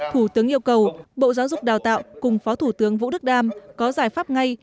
thủ tướng yêu cầu bộ giáo dục đào tạo cùng phó thủ tướng vũ đức đam có giải pháp ngay